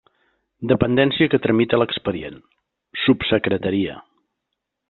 Dependència que tramita l'expedient: subsecretaria.